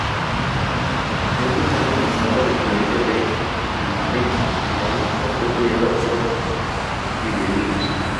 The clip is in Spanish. Los estudiosos han detectado la influencia de Palestrina, cuya música fue estudiada por Sibelius.